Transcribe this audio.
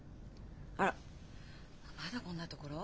あらまだこんなところ？